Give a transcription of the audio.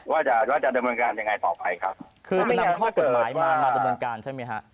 ว่าจะตำเนินการต่อไปคือนำข้อกฏหมายมาตำเนินการใช่มีฮะ